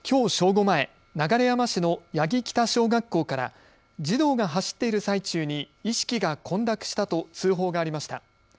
午前、流山市の八木北小学校から児童が走っている最中に意識が混濁したと通報がありました。